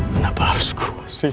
kenapa harus gua sih